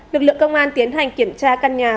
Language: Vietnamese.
lực lượng công an tiến hành kiểm tra căn nhà